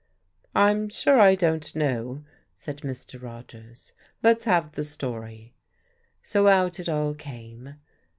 "I'm sure I don't know," said Mr. Rogers. "Let's have the story." So out it all came.